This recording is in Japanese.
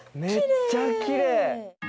めっちゃきれい！